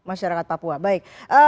masyarakat papua baik